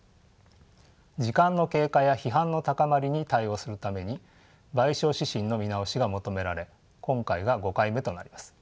時間の経過や批判の高まりに対応するために賠償指針の見直しが求められ今回が５回目となります。